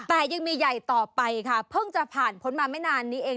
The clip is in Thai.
แต่ยังมีใหญ่ต่อไปค่ะเพิ่งจะผ่านพ้นมาไม่นานนี้เอง